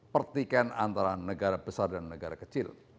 pertikaian antara negara besar dan negara kecil